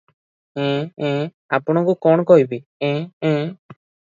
ଏଁ ଏଁ- ଆପଣଙ୍କୁ କଣ କହିବି- ଏଁ- ଏଁ ।